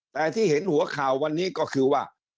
แต่ที่เห็นหัวข่าววันนี้ก็คือว่า